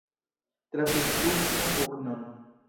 Trafis pugno pugnon.